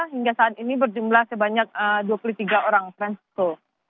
hingga saat ini berjumlah sebanyak dua puluh tiga orang fransiko